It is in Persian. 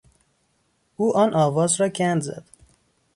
او آن آواز را گند زد.